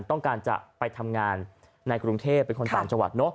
ต้องการจะไปทำงานในกรุงเทพฯเป็นคนต่างชาวัด